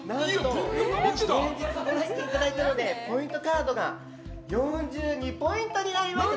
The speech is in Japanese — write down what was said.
先日もご来店いただいたのでポイントカードが４２ポイントになりました。